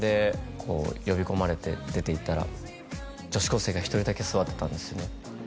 呼び込まれて出て行ったら女子高生が１人だけ座ってたんですよね